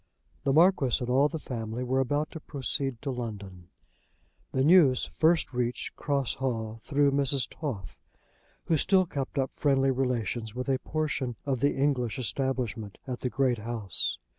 The Marquis and all the family were about to proceed to London. The news first reached Cross Hall through Mrs. Toff, who still kept up friendly relations with a portion of the English establishment at the great house.